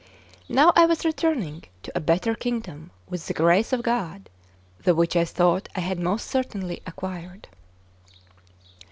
Now I was returning to a better kingdom with the grace of God, the which I thought I had most certainly acquired.